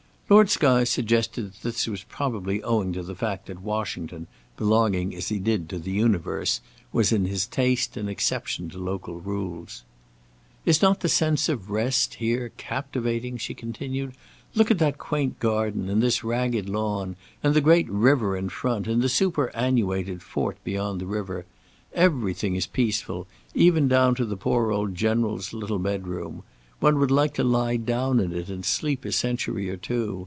Lord Skye suggested that this was probably owing to the fact that Washington, belonging, as he did, to the universe, was in his taste an exception to local rules. "Is not the sense of rest here captivating?" she continued. "Look at that quaint garden, and this ragged lawn, and the great river in front, and the superannuated fort beyond the river! Everything is peaceful, even down to the poor old General's little bed room. One would like to lie down in it and sleep a century or two.